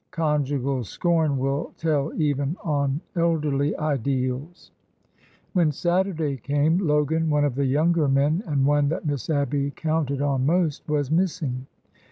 " Conjugal scorn will tell even on el derly ideals. When Saturday came, Logan, one of the younger men, and one that Miss Abby counted on most, was missing.